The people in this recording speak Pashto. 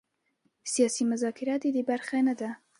سیاسي مذاکره د دې برخه نه ده.